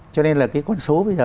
cho nên là cái con số bây giờ